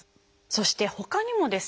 そしてほかにもですね